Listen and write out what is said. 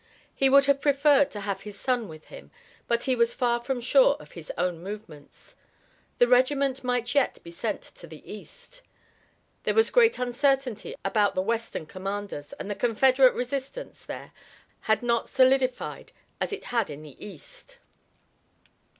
He would have preferred to have his son with him, but he was far from sure of his own movements. The regiment might yet be sent to the east. There was great uncertainty about the western commanders, and the Confederate resistance there had not solidified as it had in the east.